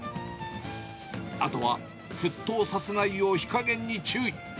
あとは沸騰させないよう火加減に注意。